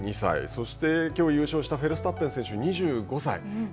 そしてきょう優勝したフェルスタッペン選手、２５歳。